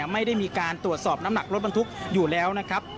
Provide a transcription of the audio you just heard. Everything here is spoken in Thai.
ไม่ได้มีการโตดสอบน้ำหนักลดบนทุกข์อยู่แล้ว